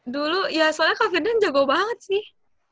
dulu ya soalnya kak firdan jago banget sih